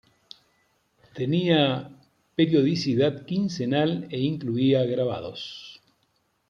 Tenía periodicidad quincenal e incluía grabados.